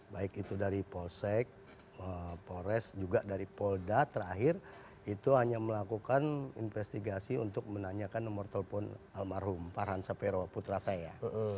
baik itu dari polsek polres juga dari polda terakhir itu hanya melakukan investigasi untuk menanyakan nomor telepon almarhum farhan sapero putra saya